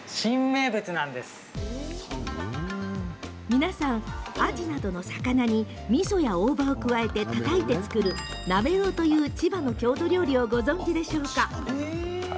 皆さんアジなどの魚にみそや大葉を加えてたたいて作るなめろうという千葉の郷土料理ご存じでしょうか。